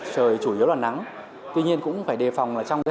trời chủ yếu là nắng tuy nhiên cũng phải đề phòng trong thời gian